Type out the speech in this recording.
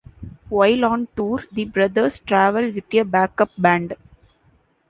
While on tour, the brothers travel with a backup band.